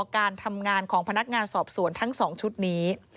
การทำงานของพนักงานสอบสวนทั้ง๒ชุดนี้